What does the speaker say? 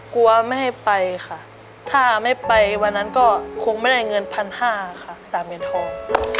กลัวไม่ให้ไปค่ะถ้าไม่ไปวันนั้นก็คงไม่ได้เงิน๑๕๐๐บาทค่ะ๓เหรียญทอง